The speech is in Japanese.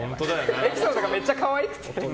エピソードがめっちゃ可愛くて。